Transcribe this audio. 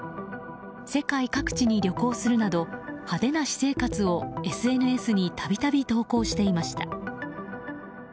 世界各地に旅行するなど派手な私生活をＳＮＳに度々、投稿していました。